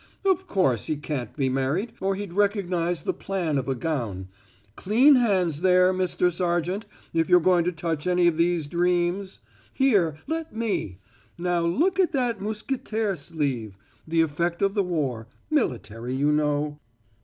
"Of course he can't be married, or he'd recognize the plan of a gown. Clean hands, there, Mister Sergeant, if you're going to touch any of these dreams! Here, let me! Now look at that musquetaire sleeve the effect of the war military, you know."